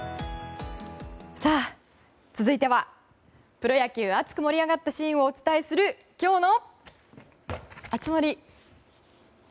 さあ、続いてはプロ野球熱く盛り上がったシーンをお届けする今日の熱盛。